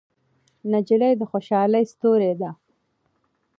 نجلۍ د خوشحالۍ ستورې ده.